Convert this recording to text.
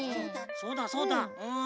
そうだそうだうん。